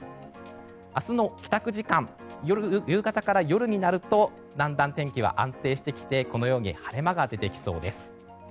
明日の帰宅時間夕方から夜になるとだんだん天気は安定してきてこのように晴れ間が出てきそうです。